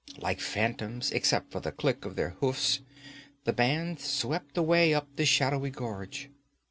Like phantoms except for the click of their hoofs, the band swept away up the shadowy gorge.